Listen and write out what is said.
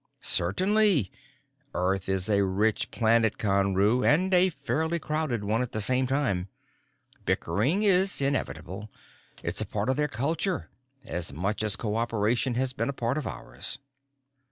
"Certainly. Earth is a rich planet, Conru, and a fairly crowded one at the same time. Bickering is inevitable. It's a part of their culture, as much as cooperation has been a part of ours."